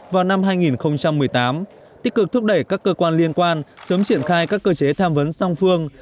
vào năm hai nghìn một mươi tám tích cực thúc đẩy các cơ quan liên quan sớm triển khai các cơ chế tham vấn song phương